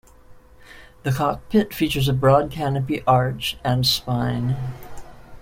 The cockpit features a broad canopy arch and spine.